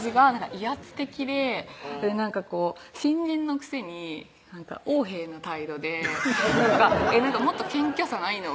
威圧的でなんかこう新人のくせに横柄な態度でもっと謙虚さないの？